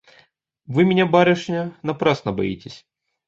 Вы меня, барышня, напрасно боитесь.